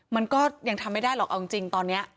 มันก็ยังทำไม่ได้หรอกเอาจริงตอนนี้